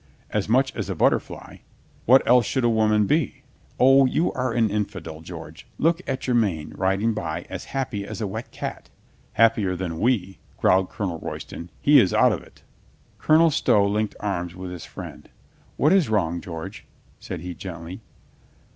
"As much as a butterfly." "What else should a woman be?" "O, you are an infidel, George. Look at Jermyn riding by as happy as a wet cat." "Happier than we," growled Colonel Royston. "He is out of it." Colonel Stow linked arms with his friend. "What is wrong, George?" said he gently.